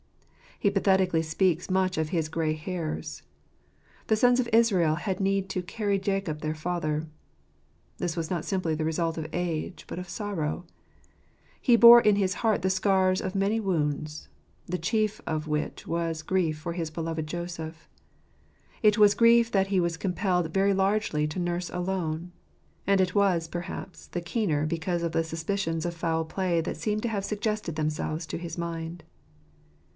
He pathetically speaks much of his "grey hairs." The sons of Israel had need to "carry Jacob their father." This was not simply the result of age, but of sorrow; he bore in his heart the scars of many wounds, the chief of which was grief for his beloved Joseph. It was grief that he was compelled very largely to nurse alone ; and it was, perhaps, the keener because of the suspicions of foul play that seem to have suggested themselves to his mind.